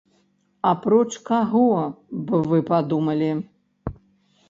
Апроч каго б вы падумалі?